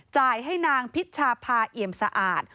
จ่ายให้นางพิชชาพาเอี่ยมสะอาด